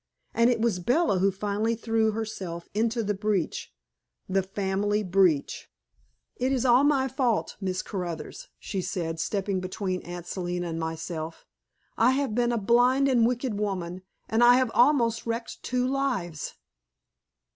And it was Bella who finally threw herself into the breach the family breach. "It is all my fault, Miss Caruthers," she said, stepping between Aunt Selina and myself. "I have been a blind and wicked woman, and I have almost wrecked two lives."